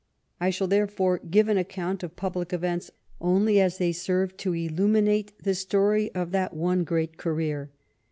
I shall, therefore, give an account of public events only as they serve to illuminate the story of that one great career.